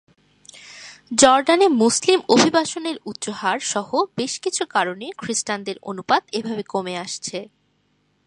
জর্ডানে মুসলিম অভিবাসনের উচ্চ হার সহ বেশ কিছু কারণে খ্রিস্টানদের অনুপাত এভাবে কমে আসছে।